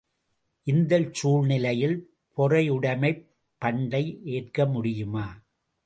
இந்தச் சூழ்நிலையில் பொறையுடைமைப் பண்டை ஏற்க முடியுமா?